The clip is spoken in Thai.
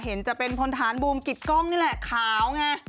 เห็นต่อเป็นภนฐานบูล์มกริดก่องนี่แหละขาวแง